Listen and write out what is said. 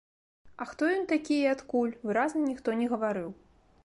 А хто ён такі і адкуль, выразна ніхто не гаварыў.